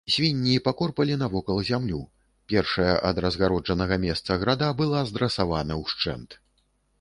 Свінні пакорпалі навокал зямлю, першая ад разгароджанага месца града была здрасавана ўшчэнт.